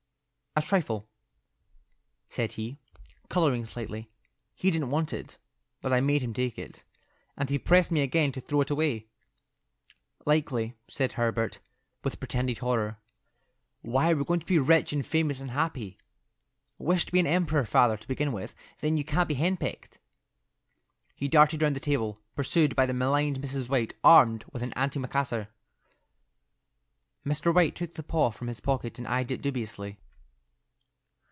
"A trifle," said he, colouring slightly. "He didn't want it, but I made him take it. And he pressed me again to throw it away." "Likely," said Herbert, with pretended horror. "Why, we're going to be rich, and famous and happy. Wish to be an emperor, father, to begin with; then you can't be henpecked." He darted round the table, pursued by the maligned Mrs. White armed with an antimacassar. Mr. White took the paw from his pocket and eyed it dubiously.